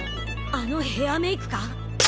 あのヘアメイクか！？